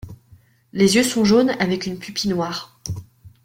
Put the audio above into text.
Les yeux sont jaunes avec une pupille noire.